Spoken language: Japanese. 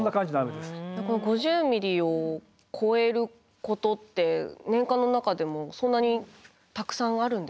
この５０ｍｍを超えることって年間の中でもそんなにたくさんあるんですか？